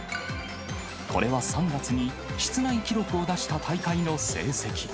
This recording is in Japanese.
これは３月に室内記録を出した大会の成績。